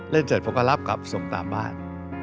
เสร็จผมก็รับกลับส่งตามบ้าน